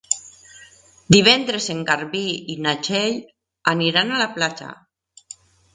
Divendres en Garbí i na Txell aniran a la platja.